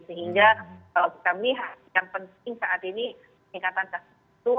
sehingga kalau kami melihat yang penting saat ini peningkatan kasus itu